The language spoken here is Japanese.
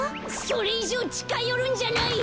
それいじょうちかよるんじゃない！